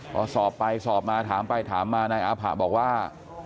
พอสอบไปสอบมาถามไปถามมานายอาผะบอกว่า